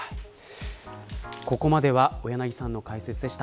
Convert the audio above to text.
ここまでは小柳さんの解説でした。